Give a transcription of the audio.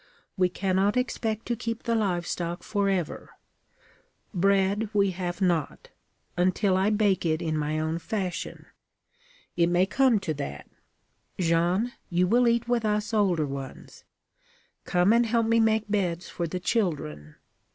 We cannot expect to keep the livestock forever. Bread we have not until I bake it in my own fashion. It may come to that. Jeanne, you will eat with us older ones. Come and help me make beds for the children.